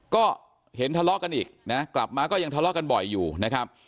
ก็เห็นทะเลาะกันอีกนะกลับมาก็ยังทะเลาะกันบ่อยอยู่นะครับ